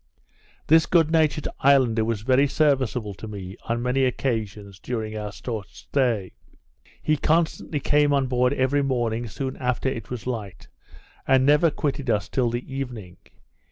This good natured islander was very serviceable to me, on many occasions, during our short stay. He constantly came on board every morning soon after it was light, and never quitted us till the evening.